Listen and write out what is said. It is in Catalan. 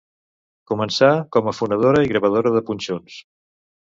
Començà com a fonedora i gravadora de punxons.